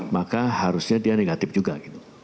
maka harusnya dia negatif juga gitu